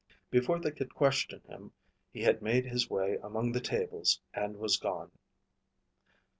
Before they could question him, he had made his way among the tables and was gone.